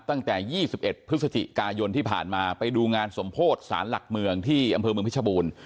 ตั้งแต่๒๑พฤศจิกายนที่ผ่านมาไปดูงานสมโพธิสารหลักเมืองที่อำเภอเมืองเพชรบูรณ์